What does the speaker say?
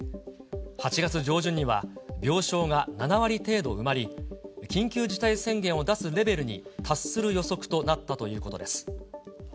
８月上旬には病床が７割程度埋まり、緊急事態宣言を出すレベルに達する予測となったということです。